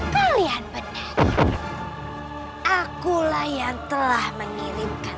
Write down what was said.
kalian penuh akulah yang telah mengirimkan